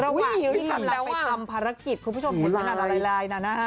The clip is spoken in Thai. ระหว่างกันไปทำภารกิจคุณผู้ชมเห็นขนาดไลน์นะฮะ